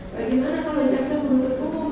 bagaimana kalau jaksa penuntut umum